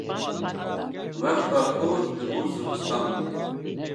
wexta ku dibû zivistan